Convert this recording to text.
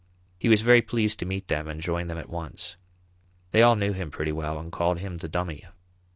He was very pleased to meet them and joined them at once. They all knew him pretty well and called him the "Dummy."